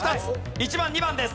１番２番です。